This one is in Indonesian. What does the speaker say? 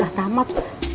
pastinya kegigsek kota ada